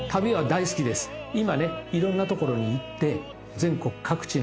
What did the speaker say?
今ねいろんな所に行って全国各地の。